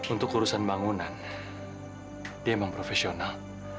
untuk urusan bangunan dia emang profesional